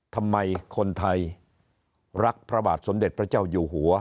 ทำไมคนไทยรักพระบาทสมเด็จพระเจ้าอยู่หัว